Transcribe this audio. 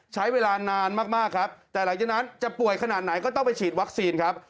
ใช้เวลานานมากครับแต่หลังจากนั้นจะป่วยขนาดไหนก็ต้องไปฉีดวัคซีนครับ